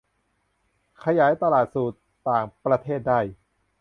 ขยายตลาดสู่ต่างประเทศได้